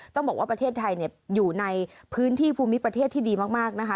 ต้องบอกว่าประเทศไทยอยู่ในพื้นที่ภูมิประเทศที่ดีมากนะคะ